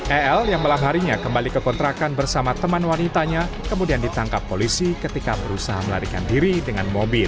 el yang malam harinya kembali ke kontrakan bersama teman wanitanya kemudian ditangkap polisi ketika berusaha melarikan diri dengan mobil